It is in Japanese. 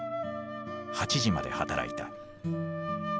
８時まで働いた。